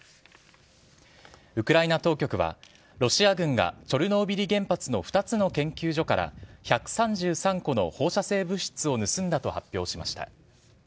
ウクライナ当局は、ロシア軍がチョルノービリ原発の２つの研究所から１３３個の放射性物質を盗んだと発表しました。